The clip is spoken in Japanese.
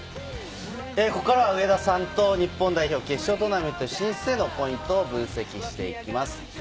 ここからは上田さんと日本代表決勝トーナメント進出へのポイントを分析していきます。